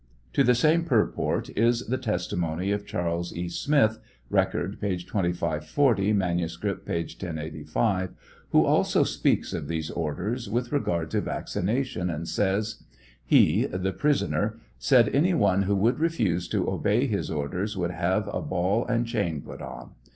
To the same purport is the testimony of Charles E. Smith, (Record, p. 2540; manuscript, p. 1085,) who also speaks of the orders with regard to vaccination, and says : He (the prisoner) said, any one who would refuse to obey his orders would have a ball and chain put on.